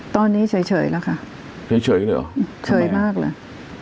ตอนนี้เฉยแล้วค่ะเฉยเลยเหรอเฉยมากเลย